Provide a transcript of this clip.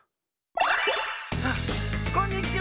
あっこんにちは！